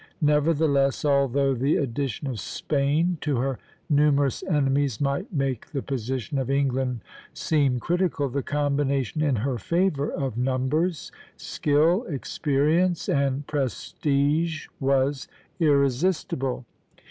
Nevertheless, although the addition of Spain to her numerous enemies might make the position of England seem critical, the combination in her favor of numbers, skill, experience, and prestige, was irresistible.